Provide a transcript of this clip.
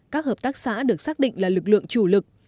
các hợp tác xã được xác định là lực lượng chủ lực